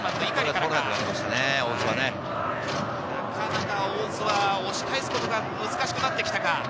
なかなか大津は押し返すことが難しくなってきたか？